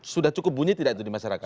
sudah cukup bunyi tidak itu di masyarakat